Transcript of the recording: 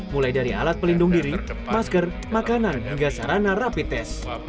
mulai dari alat pelindung diri masker makanan hingga sarana rapi tes